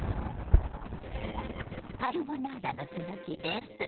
カルボナーラの続きです。